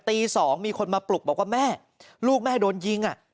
ตี๒มีคนมาปลุกบอกว่าแม่ลูกแม่โดนยิง